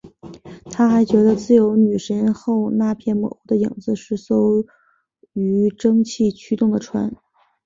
他还觉得自由女神身后那片模糊的影子是艘由蒸汽驱动的船。